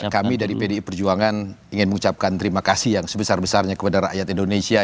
kami dari pdi perjuangan ingin mengucapkan terima kasih yang sebesar besarnya kepada rakyat indonesia